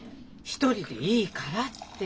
「一人でいいから」って。